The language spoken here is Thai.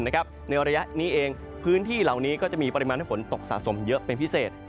ในระยะนี้เองพื้นที่เหล่านี้ก็จะมีปริมาณฝนตกสะสมเยอะเป็นพิเศษ